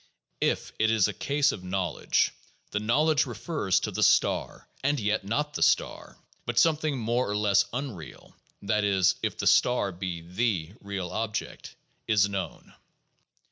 If it is a case of knowledge, the knowledge refers to the star; and yet not the star, but something more or less unreal (that is, if the star be "the" real object), is known.